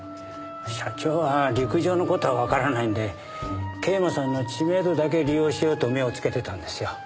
社長は陸上の事はわからないんで桂馬さんの知名度だけ利用しようと目をつけてたんですよ。